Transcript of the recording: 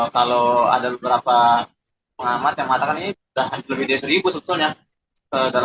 kalau ada beberapa yang bisa